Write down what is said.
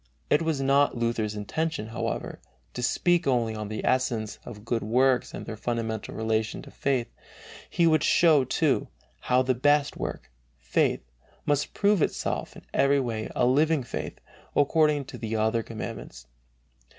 It was not Luther's intention, however, to speak only on the essence of good works and their fundamental relation to faith; he would show, too, how the "best work," faith, must prove itself in every way a living faith, according to the other commandments.